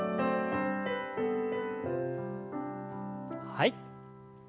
はい。